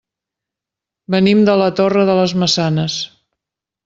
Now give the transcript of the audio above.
Venim de la Torre de les Maçanes.